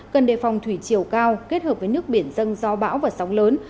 cần đề phòng thủy chiều cao kết hợp với nước biển dâng do bão và sóng lớn